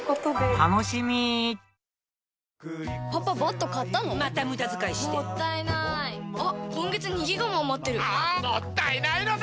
あ‼もったいないのだ‼